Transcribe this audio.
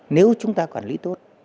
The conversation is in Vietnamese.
nếu chúng ta quản lý tốt